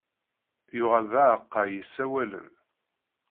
Yuɣal d aεeqqa yessawalen.